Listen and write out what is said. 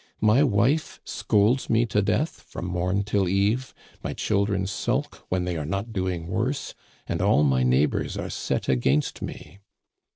My wife scolds me to death from mom till eve, my chil dren sulk when they are not doing worse, and all my neighbors are set against me.'